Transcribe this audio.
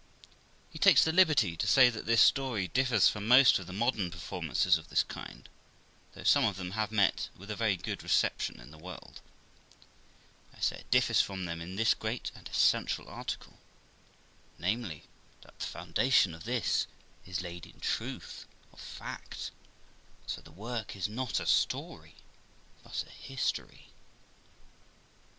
He takes the liberty to say that this story differs from most of the modern performances of this kind, though some of them have met with a very good reception in the world. I say, it differs from them in this great and essential article, namely, that the foundation of this is laid in truth of fact ; and so the work is not a story, but a history.